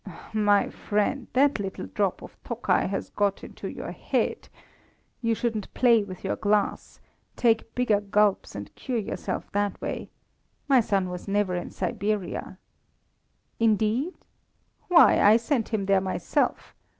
"My friend, that little drop of Tokai has got into your head. You shouldn't play with your glass; take bigger gulps, and cure yourself that way. My son was never in Siberia." "Indeed! Why, I sent him there myself.